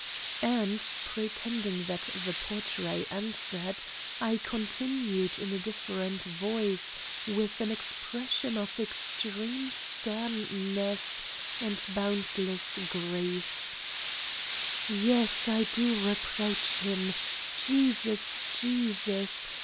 And, pretending that the portrait answered, I continued in a different voice with an expression of extreme sternness and boundless grief: "Yes, I do reproach Him. Jesus, Jesus!